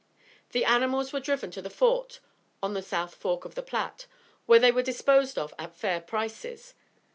The animals were driven to the Fort on the South Fork of the Platte, where they were disposed of at fair prices.